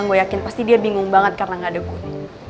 gue yakin pasti dia bingung banget karena nggak degun